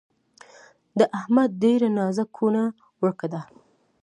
د احمد له ډېره نازه کونه ورکه ده.